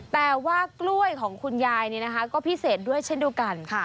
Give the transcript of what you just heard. แต่ว่ากล้วยของคุณยายก็พิเศษด้วยเช่นเดียวกัน